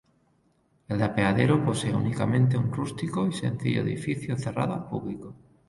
El apeadero posee únicamente un rústico y sencillo edificio cerrado al público.